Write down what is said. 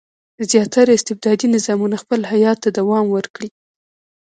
زیاتره استبدادي نظامونه خپل حیات ته دوام ورکړي.